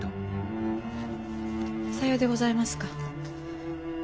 さようでございますか。